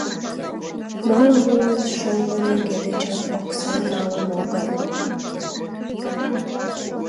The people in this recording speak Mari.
Малымылан шоҥго нигӧ дечат оксам налын огыл..